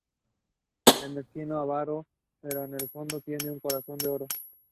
The Blazing Rag and London Road Inn are both on London Road.